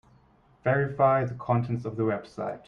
Verify the contents of the website.